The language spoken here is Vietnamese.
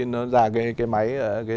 nó ra cái máy